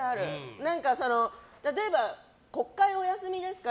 例えば国会お休みですか？